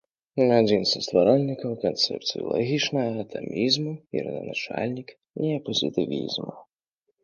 Адзін са стваральнікаў канцэпцыі лагічнага атамізму і роданачальнік неапазітывізму.